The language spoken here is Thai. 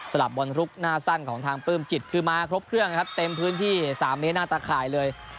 ลับบอลลุกหน้าสั้นของทางปลื้มจิตคือมาครบเครื่องครับเต็มพื้นที่๓เมตรหน้าตะข่ายเลย